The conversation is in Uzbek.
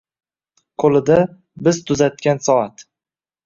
Qo‘lida biz “tuzatgan” soat.